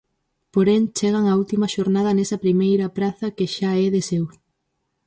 Porén chegan á última xornada nesa primeira praza que xa é de seu.